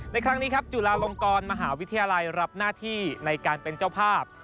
ในครั้งนี้ครับจุฬาลงกรมหาวิทยาลัยรับหน้าที่ในการเป็นเจ้าภาพ